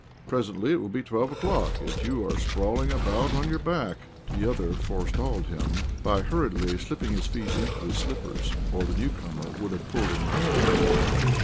Presently it will be twelve o'clock, yet you are sprawling about on your back I " The other forestalled him by hurriedly slipping his feet into his slippers, or the new comer would have pulled him out of bed.